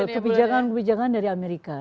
kebijakan kebijakan dari amerika